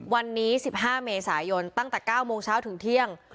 วันนี้๑๕เมษายนตั้งแต่๙โมงเช้าถึงเที่ยง